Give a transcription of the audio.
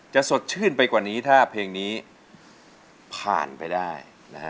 สดชื่นไปกว่านี้ถ้าเพลงนี้ผ่านไปได้นะฮะ